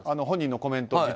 本人のコメント